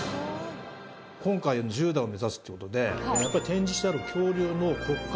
今回１０段を目指すっていうことで展示してある恐竜の骨格